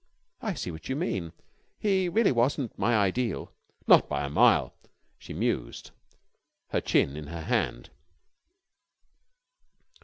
"I see what you mean. He really wasn't my ideal." "Not by a mile." She mused, her chin in her hand.